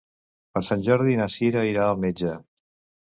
Per Sant Jordi na Sira irà al metge.